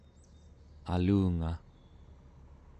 alungaᵉ